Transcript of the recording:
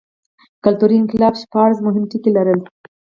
کلتوري انقلاب شپاړس مهم ټکي لرل.